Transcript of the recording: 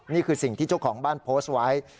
นี่คือสิ่งที่เจ้าของบ้านโพสต์ไว้